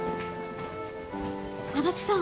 足立さん。